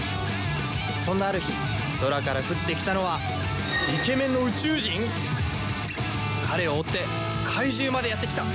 そんなある日空から降ってきたのは彼を追って怪獣までやってきた。